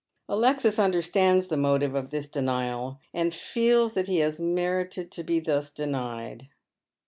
Alexis understands the motive of this denial, and feels that hs has merited to be thus denied.